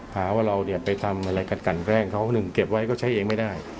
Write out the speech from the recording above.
หาว่าเราเนี่ยไปทำอะไรกันแกล้งเขาหนึ่งเก็บไว้ก็ใช้เองไม่ได้